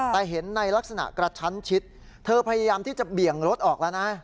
แต่เห็นในลักษณะกระชั้นชิดเธอพยายามที่จะเบี่ยงรถออกแล้วนะ